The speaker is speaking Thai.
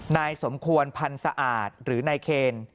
นายสมควรพันธ์สะอาดหรือนายเคน